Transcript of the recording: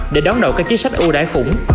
để đón đầu các chiếc sách ưu đại khủng